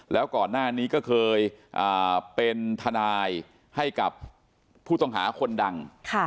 แล้วก่อนหน้านี้ก็เคยเป็นทนายให้กับผู้ต้องหาคนดัง